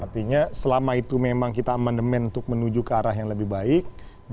artinya selama itu memang kita amandemen untuk menuju ke arah yang lebih baik